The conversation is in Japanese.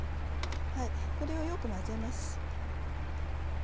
これをよく混ぜます。